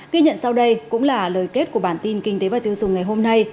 ghi nhận sau đây cũng là lời kết của bản tin kinh tế và tiêu dùng ngày hôm nay